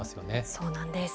そうなんです。